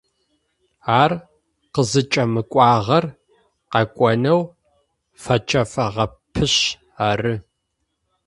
Ар къызыкӏэмыкӏуагъэр къэкӏонэу фэчэфыгъэпышъ ары.